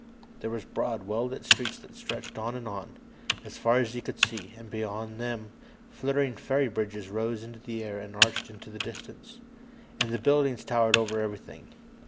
There were broad, well lit streets that stretched on and on, as far as he could see, and beyond them, flittering fairy bridges rose into the air and arched into the distance. And the buildings towered over everything.